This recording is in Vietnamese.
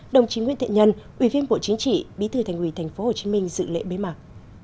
đồng chí nguyễn thị nhân ủy viên bộ chính trị bí thư thành quỳ tp hcm dự lệ bế mạc